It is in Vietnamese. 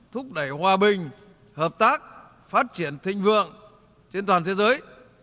thúc đẩy hòa bình hợp tác phát triển thịnh vượng trên toàn thế giới